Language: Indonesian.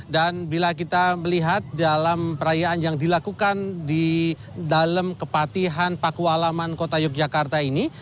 dan bila kita melihat dalam perayaan yang dilakukan di dalam kepatian pakualaman yogyakarta ini